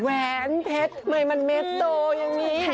แหวนเผ็ดไหมมันเม็ดโตอย่างนี้ไหมต่อ